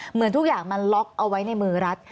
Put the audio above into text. เหมือนทุกอย่างมันล็อกเอาไว้ในมือรัฐ